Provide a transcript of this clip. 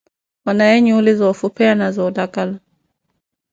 Onaaye nyuuli zoofupheya na zoolakala.